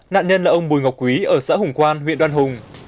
nạn nhân là ông bùi ngọc quý ở xã hùng quan huyện đoan hùng